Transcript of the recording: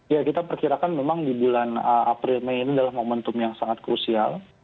ya kita perkirakan memang di bulan april mei ini adalah momentum yang sangat krusial